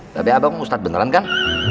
bapak ibu ustad beneran kan